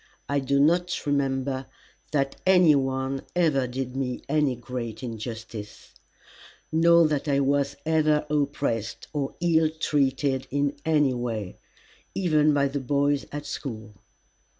I do not remember that any one ever did me any great injustice, nor that I was ever oppressed or ill treated in any way, even by the boys at school.